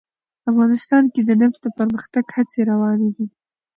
افغانستان کې د نفت د پرمختګ هڅې روانې دي.